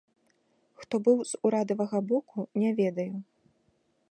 Хто быў з урадавага боку, не ведаю.